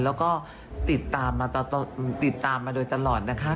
แล้วก็ติดตามมาโดยตลอดนะคะ